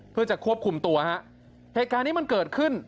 เพื่อจะควบคุมตัวฮะเหตุการณ์นี้มันเกิดขึ้น